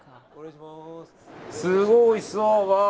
すごいおいしそう。